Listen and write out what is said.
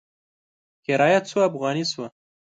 کرایه څو افغانې شوه؟